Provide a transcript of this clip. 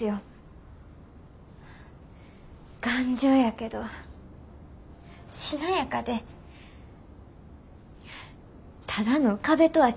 頑丈やけどしなやかでただの壁とは違うんやなって